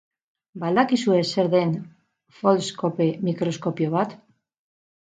Ba al dakizue zer den foldscope mikroskopio bat?